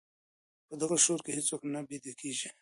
په دغه شور کي هیڅوک نه بېدېږي.